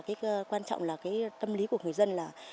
cái quan trọng là cái tâm lý của người dân là